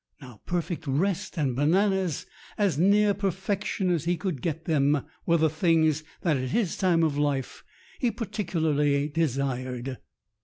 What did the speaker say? Perfect rest and bananas as near per fection as he could get them were the things that at his time of life he particularly desired.